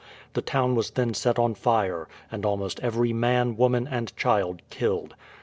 The town was then set on fire, and almost every man, woman, and child killed.